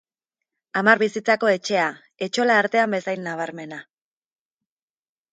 Hamar bizitzako etxea, etxola artean bezain nabarmena.